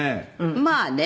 まあね。